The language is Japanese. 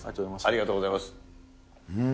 ありがとうございます。